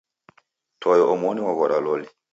Toe omoni waghora loli.